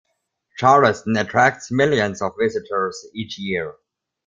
Charleston attracts millions of visitors each year.